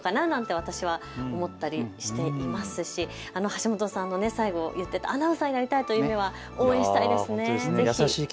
私は思ったりしていますし橋本さんの最後言っていたアナウンサーになりたいという夢を応援したいですね。